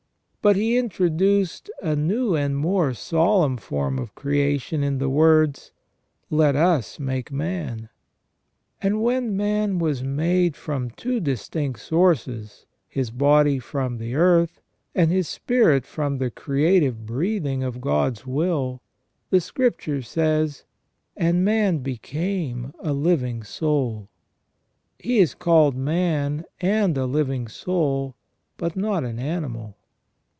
But he introduced a new and more solemn form of creation in the words :" Let us make man ". And when man was made from two distinct sources, his body from the earth and his spirit from the creative breathing of God's will, the Scripture says :" And man became a living soul ". He is called man and a living soul, but not an animal.